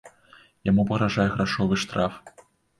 Яму пагражае грашовы штраф.